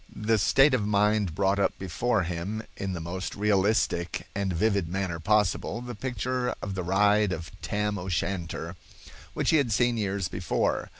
The state of mind brought up before him in the most realistic and vivid manner possible the picture of the ride of Tam O'Shanter, which he had seen years before.